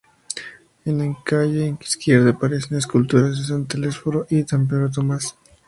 En la calle izquierda aparecen esculturas de San Telesforo y de San Pedro Tomás.